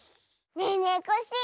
ねえねえコッシー